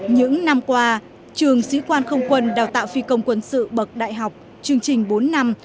những năm qua trường sĩ quan không quân đào tạo phi công quân sự bậc đại học chương trình bốn năm